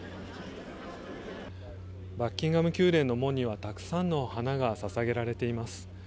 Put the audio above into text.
バッキンガム宮殿の門にはたくさんの花が捧げられています。